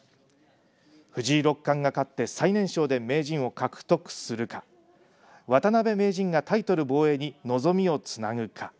藤井六冠が勝って最年少で名人を獲得するか渡辺名人がタイトル防衛に望みをつなぐか。